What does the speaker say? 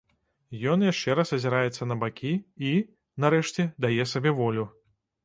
Ён яшчэ раз азіраецца на бакі і, нарэшце, дае сабе волю.